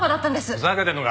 ふざけてんのか？